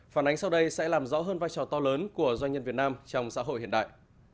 phản ánh sau đây sẽ làm rõ hơn vai trò to lớn của doanh nhân việt nam trong xã hội hiện đại